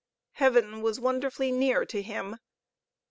Heaven was wonderfully near him.